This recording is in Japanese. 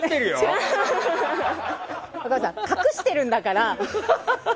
若林さん、隠してるんだから。